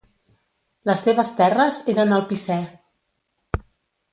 Les seves terres eren al Picè.